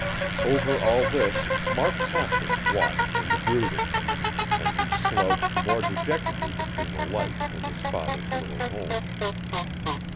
Over all this, Mark Tapkins watched and brooded, and he slouched more dejectedly between the Light and his father's little home.